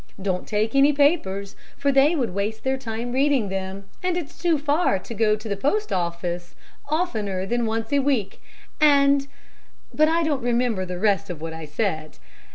Don't take any papers, for they would waste their time reading them, and it's too far to go the postoffice oftener than once a week; and' but, I don't remember the rest of what I said.